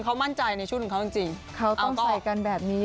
เขามั่นใจในชุดของเขาจริงเขาต้องใส่กันแบบนี้